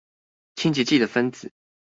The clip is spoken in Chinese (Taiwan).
清潔劑的分子